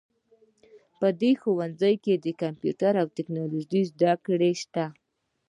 په دې ښوونځي کې د کمپیوټر او ټکنالوژۍ زده کړه شته